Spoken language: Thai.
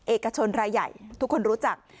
เอกชนรายใหญ่ทุกคนรู้จัก